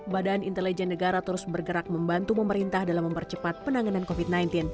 badan intelijen negara terus bergerak membantu pemerintah dalam mempercepat penanganan covid sembilan belas